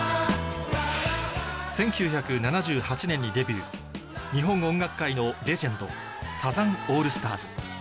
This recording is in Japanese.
１９７８年にデビュー日本音楽界のレジェンドサザンオールスターズ